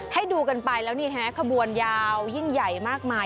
ให้ดูกันไปแล้วนี่ฮะขบวนยาวยิ่งใหญ่มากมาย